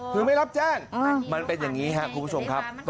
คือไม่รับแจ้งมันเป็นอย่างนี้ครับคุณผู้ชมครับ